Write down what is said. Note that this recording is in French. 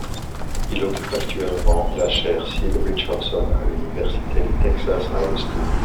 Il occupe actuellement la Chaire Sid Richardson à l'Université du Texas à Austin.